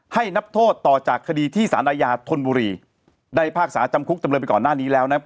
ให้นับโทษต่อจากคดีที่สารอาญาธนบุรีได้พาจำคุกจำเลยไปก่อนหน้านี้แล้วนะครับ